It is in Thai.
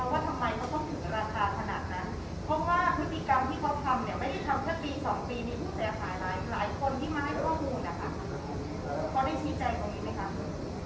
พูดแสดงหายหลายหลายคนที่มาให้ข้อมูลนะครับเขาได้ชี้ใจตรงนี้ไหมครับ